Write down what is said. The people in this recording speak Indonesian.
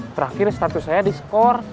terakhir status saya diskor